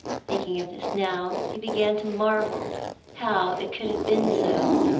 Thinking of this now, he began to marvel how it could have been so.